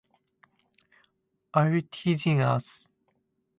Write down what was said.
Are you teasing us?